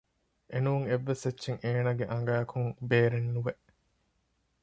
އެނޫން އެއްވެސް އެއްޗެއް އޭނާގެ އަނގައަކުން ބޭރެއް ނުވެ